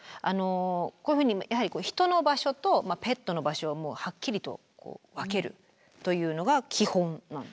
こういうふうにやはり人の場所とペットの場所をはっきりと分けるというのが基本なんですね。